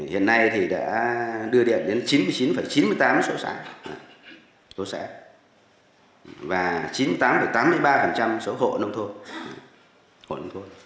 hiện nay thì đã đưa điện đến chín mươi chín chín mươi tám sổ sản và chín mươi tám tám mươi ba sổ hộ nông thôn